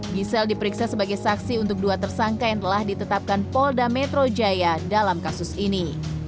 giselle diperiksa sebagai saksi untuk dua tersangka yang telah ditetapkan polda metro jaya dalam kasus ini